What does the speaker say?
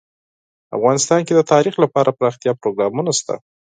افغانستان کې د تاریخ لپاره دپرمختیا پروګرامونه شته.